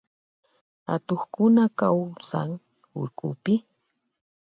Atukkuna kawsan urkupi.